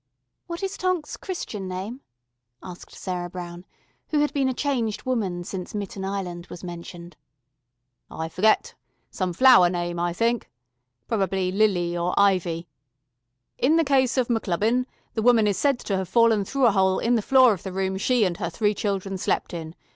"What is Tonk's Christian name?" asked Sarah Brown, who had been a changed woman since Mitten Island was mentioned. "I forget. Some flower name, I think. Probably Lily or Ivy. In the case of M'Clubbin, the woman is said to have fallen through a hole in the floor of the room she and her three children slept in.